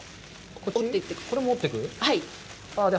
これも折っていく？